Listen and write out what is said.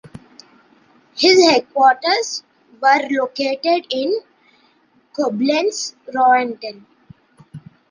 His headquarters were located in Koblenz-Rauental.